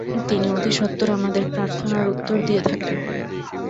তিনি অতি সত্বর আমাদের প্রার্থনার উত্তর দিয়ে থাকেন।